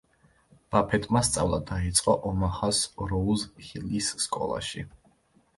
ბაფეტმა სწავლა დაიწყო ომაჰას როუზ ჰილის სკოლაში.